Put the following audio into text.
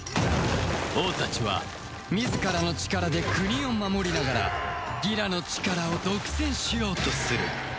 王たちは自らの力で国を守りながらギラの力を独占しようとする